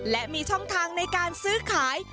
และมีช่องทางในการซื้อขาย